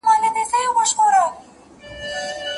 شاګرد د علمي لیکنو اصول زده کوي.